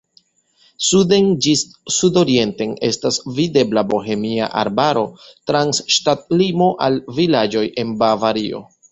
Suden ĝis sudorienten estas videbla Bohemia arbaro, trans ŝtatlimo al vilaĝoj en Bavario.